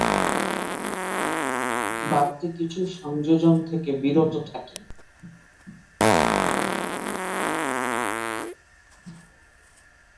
বাড়তি কিছু সংযোজন থেকে বিরত থাকে।